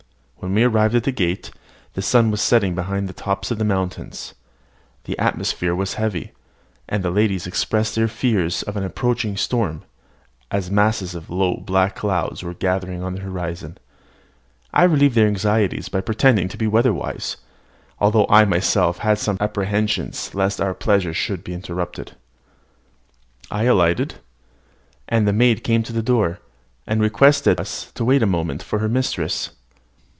When we arrived at the gate, the sun was setting behind the tops of the mountains. The atmosphere was heavy; and the ladies expressed their fears of an approaching storm, as masses of low black clouds were gathering in the horizon. I relieved their anxieties by pretending to be weather wise, although I myself had some apprehensions lest our pleasure should be interrupted. I alighted; and a maid came to the door, and requested us to wait a moment for her mistress.